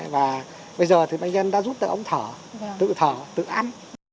và bây giờ thì bệnh nhân đã rút ra ống thở tự thở tự ăn